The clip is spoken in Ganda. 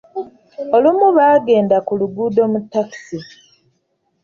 Olumu baagenda ku lugendo mu takisi.